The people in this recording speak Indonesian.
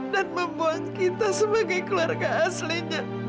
dan membuang kita sebagai keluarga aslinya